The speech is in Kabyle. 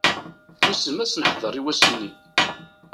Wissen ma ad as-neḥder i wass-nni.